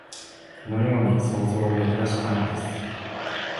このように想像をめぐらしたのです